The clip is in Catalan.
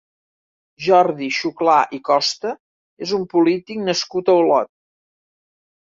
Jordi Xuclà i Costa és un polític nascut a Olot.